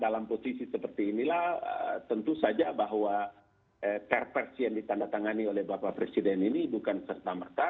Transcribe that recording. dalam posisi seperti inilah tentu saja bahwa perpres yang ditandatangani oleh bapak presiden ini bukan serta merta